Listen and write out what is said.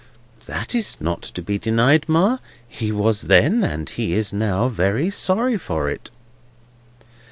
"That is not to be denied, Ma. He was then, and he is now, very sorry for it."